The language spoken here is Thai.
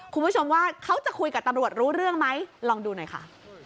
คุณผู้ชมว่าเขาจะคุยกับตำรวจรู้เรื่องไหมลองดูหน่อยค่ะ